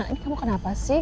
ini kamu kenapa sih